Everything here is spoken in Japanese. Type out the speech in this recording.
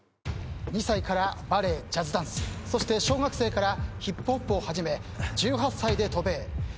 ２歳からバレエジャズダンスそして小学生からヒップホップを始め１８歳で渡米。